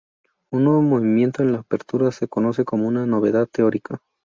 Un nuevo movimiento en la apertura se conoce como una ""novedad teórica"".